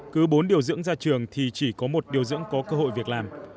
cứ bốn điều dưỡng ra trường thì chỉ có một điều dưỡng có cơ hội việc làm